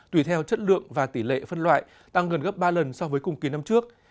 tùy theo chất lượng và tỷ lệ phân loại tăng gần gấp ba lần so với cùng kỳ năm trước